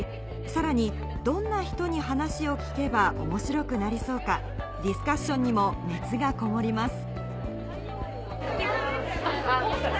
さらにどんな人に話を聞けば面白くなりそうかディスカッションにも熱がこもります